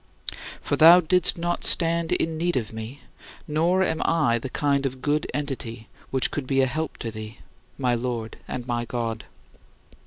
For thou didst not stand in need of me, nor am I the kind of good entity which could be a help to thee, my Lord and my God.